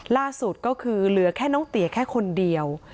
ล่าสุดก็คือเหลือแค่น้องเตี๋ยแค่คนเดียว